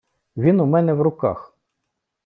Він у мене в руках.